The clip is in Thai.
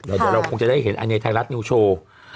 เดี๋ยวเราคงจะได้เห็นอันนี้ไทยรัฐนิวโชว์